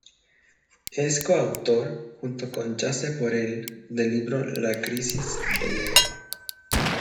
Es coautor, junto con Josep Borrell, del libro "La crisis del euro.